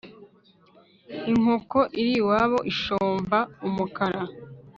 Inkoko iriwabo ishomba umukara.